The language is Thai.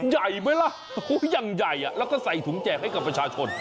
ใหญ่ไหมล่ะอย่างใหญ่แล้วก็ใส่ถุงแจกให้กับประชาชน